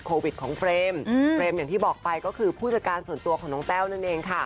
โควิดของเฟรมเฟรมอย่างที่บอกไปก็คือผู้จัดการส่วนตัวของน้องแต้วนั่นเองค่ะ